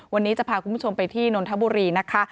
วันนี้จะพาคุณผู้ชมไปที่นนทบุรีนะคะ